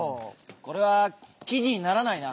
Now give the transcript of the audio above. これはきじにならないな。